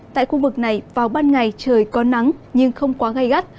tại khu vực này vào ban ngày trời có nắng nhưng không quá gai gắt